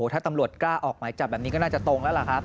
ถ้าตำรวจกล้าออกหมายจับแบบนี้ก็น่าจะตรงแล้วล่ะครับ